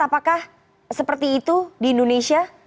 apakah seperti itu di indonesia